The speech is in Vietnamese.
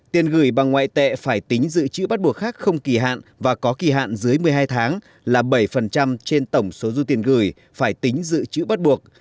tiền gửi bằng ngoại tệ phải tính dự trữ bắt buộc khác không kỳ hạn và có kỳ hạn dưới một mươi hai tháng là bảy trên tổng số dư tiền gửi phải tính dự trữ bắt buộc